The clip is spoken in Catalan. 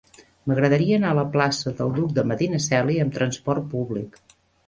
M'agradaria anar a la plaça del Duc de Medinaceli amb trasport públic.